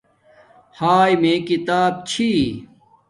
ہاݵ میں کتاب چھی